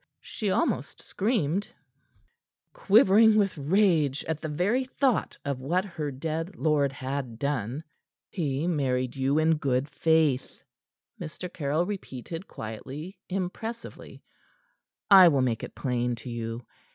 she almost screamed, quivering with rage at the very thought of what her dead lord had done. "He married you in good faith," Mr. Caryll repeated quietly, impressively. "I will make it plain to you.